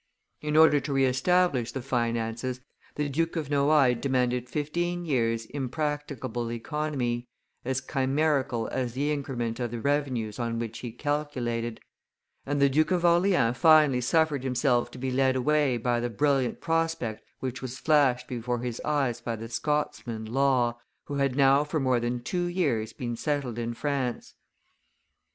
In order to re establish the finances, the Duke of Noailles demanded fifteen years' impracticable economy, as chimerical as the increment of the revenues on which he calculated; and the Duke of Orleans finally suffered himself to bo led away by the brilliant prospect which was flashed before his eyes by the Scotsman, Law, who had now for more than two years been settled in France.